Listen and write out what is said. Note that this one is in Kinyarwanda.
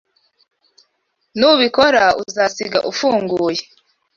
Nubikora uzasiga ufunguye.